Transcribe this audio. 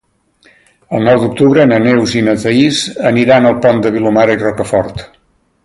El nou d'octubre na Neus i na Thaís aniran al Pont de Vilomara i Rocafort.